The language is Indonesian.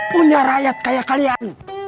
punya rakyat kayak kalian